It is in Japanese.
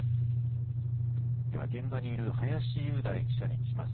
では現場にいる林雄大記者に聞きます。